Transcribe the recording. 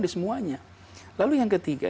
di semuanya lalu yang ketiga